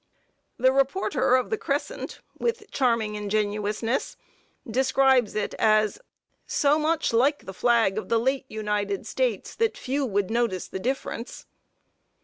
The reporter of The Crescent, with charming ingenuousness, describes it as "so much like the flag of the late United States, that few would notice the difference."